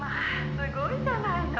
すごいじゃないの」